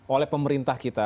oleh pemerintah kita